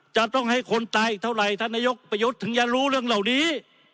จะต้องให้คนตายอีกเท่าไหร่ท่านนายกประยุทธ์ถึงจะรู้เรื่องเหล่านี้